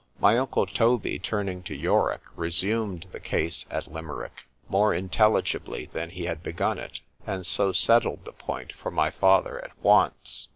My uncle Toby, turning to Yorick, resumed the case at Limerick, more intelligibly than he had begun it,—and so settled the point for my father at once.